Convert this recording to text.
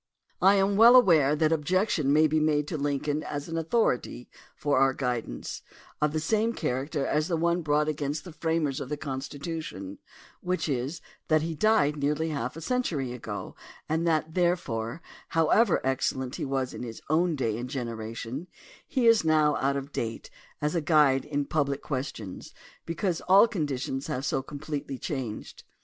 I am well aware that objection may be made to Lincoln, as an authority for our guidance, of the same character as the one brought against the framers of the Constitution, which is that he died nearly half a century ago and that, therefore, however excellent he was in his own day and generation, he is now out of date as a guide in public questions because all conditions have so completely changed.